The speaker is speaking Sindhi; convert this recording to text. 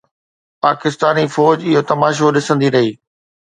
پاڪستاني فوج اهو تماشو ڏسندي رهي.